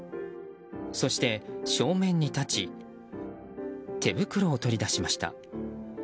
そして正面に立ち手袋を取り出しました。